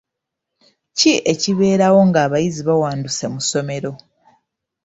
Ki ekibeerawo ng'abayizi bawanduse mu ssomero?